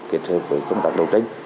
kết hợp với công tác đầu trách